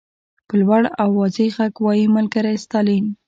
په لوړ او واضح غږ وایي ملګری ستالین.